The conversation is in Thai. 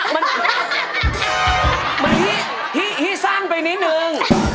มันที่สั้นไปนิดนึง